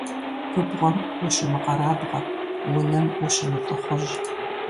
Губгъуэм ущымыкъэрабгъэ, унэм ущымылӀыхъужь.